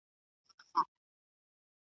سپینو هېندارو نه مې کرکه کیږي